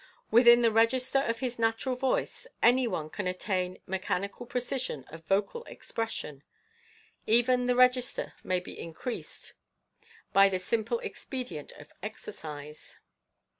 Within the register of his natural voice any one can attain mechanical precision of vocal expression. Even the register may be increased by ths simple expedient of exercise.